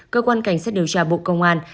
cơ quan cảnh sát điều tra bộ công an